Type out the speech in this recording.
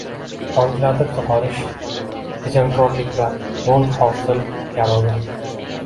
Tomchilatib sug‘orish – tejamkorlik va mo‘l hosil garovi